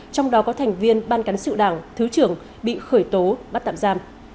trong đó có thành viên ban cán sự đảng thứ trưởng bị khởi tố bắt tạm giam